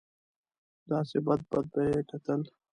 داسې بد بد به یې کتل.